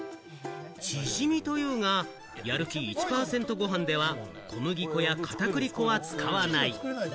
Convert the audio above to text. チヂミというが、やる気１％ごはんでは小麦粉や片栗粉は使わない。